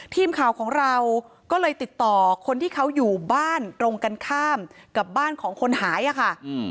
ทีมข่าวของเราก็เลยติดต่อคนที่เขาอยู่บ้านตรงกันข้ามกับบ้านของคนหายอะค่ะ